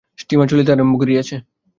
Steamer চলিতে আরম্ভ করিয়াছে।